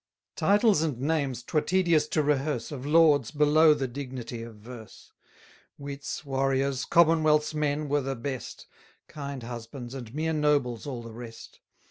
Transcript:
Titles and names 'twere tedious to rehearse Of lords, below the dignity of verse. 570 Wits, warriors, commonwealth's men, were the best: Kind husbands, and mere nobles, all the rest.